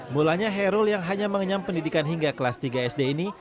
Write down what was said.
mulanya hairul yang hanya mengenyam pendidikan hingga kelas tiga sd ini